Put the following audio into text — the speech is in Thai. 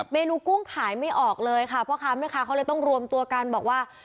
เมนูกุ้งขายไม่ออกเลยค่ะพ่อค้าแม่ค้าเขาเลยต้องรวมตัวกันบอกว่า